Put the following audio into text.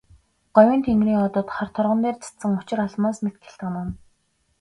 Говийн тэнгэрийн одод хар торгон дээр цацсан очир алмаас мэт гялтганан.